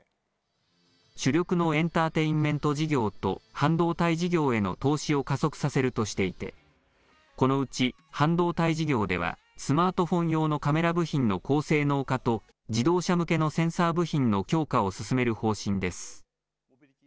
主力のエンターテインメント事業と半導体事業への投資を加速させるとしていてこのうち半導体事業ではスマートフォン用のカメラ部品の高性能化と自動車向けのセンサー部品の強化を進める方針です。